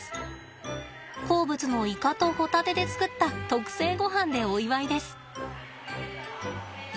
好物のイカとホタテで作った特製ごはんでお祝いです。